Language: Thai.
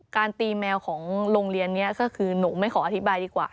ตีแมวของโรงเรียนนี้ก็คือหนูไม่ขออธิบายดีกว่า